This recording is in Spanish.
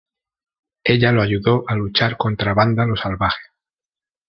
Ella lo ayudó a luchar contra Vándalo Salvaje.